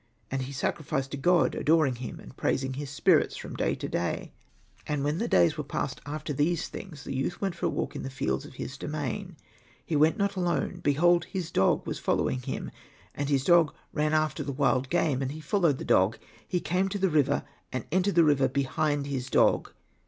And he sacrificed to God, adoring Him, and praising His spirits from day to day. And when the days were passed after these things, the youth went to walk in the fields of his domain. He went not alone, behold his dog was following him. And his dog ran aside after the wild game, and he fol lowed the dog. He came to the river, and entered the river behind his dog.